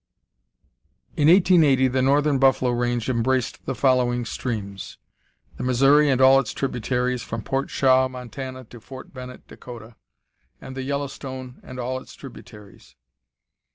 In 1880 the northern buffalo range embraced the following streams; The Missouri and all its tributaries, from Port Shaw, Montana, to Fort Bennett, Dakota, and the Yellowstone and all its tributaries.